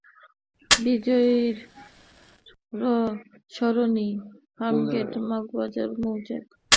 বিজয় সরণি, ফার্মগেট, মগবাজার, মৌচাক, মালিবাগের সড়কগুলোতে বিভিন্ন সময়ে যানজট ছিল।